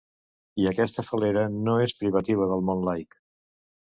I aquesta fal·lera no és privativa del món laic.